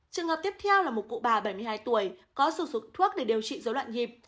trường hợp tiếp theo là một cụ bà bảy mươi hai tuổi có sử dụng thuốc để điều trị dối loạn nhịp